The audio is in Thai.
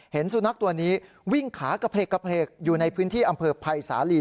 สุนัขตัวนี้วิ่งขากระเพลกอยู่ในพื้นที่อำเภอภัยสาลี